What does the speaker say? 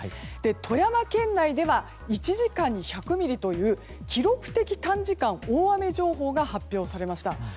富山県内では１時間に１００ミリという記録的短時間大雨情報が発表されました。